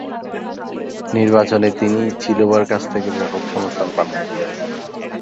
নির্বাচনে তিনি চিলুবা’র কাছ থেকে ব্যাপক সমর্থন পান।